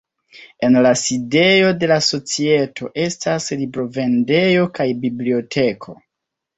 En la sidejo de la societo estas librovendejo kaj biblioteko.